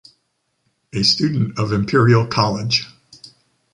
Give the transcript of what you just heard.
a student of Imperial college.